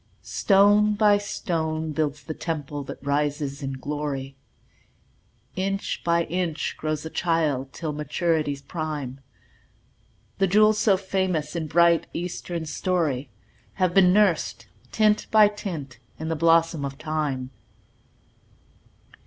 Stone by stone builds the temple that rises in glory, Inch by inch grows the child till maturity's prime; The jewels so famous in bright, Eastern story Have been nursed, tint by tint, in the blossom of Time.